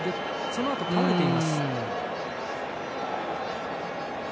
そのあと倒れています。